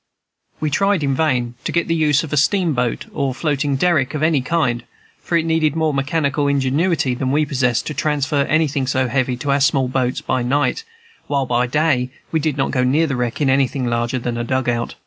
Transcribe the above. We tried in vain to get the use of a steamboat or floating derrick of any kind; for it needed more mechanical ingenuity than we possessed to transfer anything so heavy to our small boats by night, while by day we did not go near the wreck in anything larger than a "dug out."